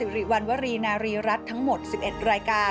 พระองค์เด้าศิริวัลวรีนารีรัชทั้งหมดมี๑๑รายการ